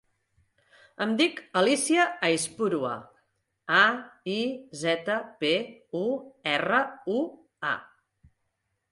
Em dic Alícia Aizpurua: a, i, zeta, pe, u, erra, u, a.